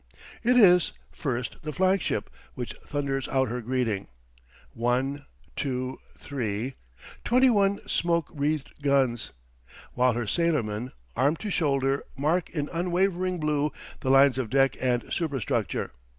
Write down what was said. It is, first, the flag ship which thunders out her greeting one, two, three twenty one smoke wreathed guns while her sailormen, arm to shoulder, mark in unwavering blue the lines of deck and superstructure.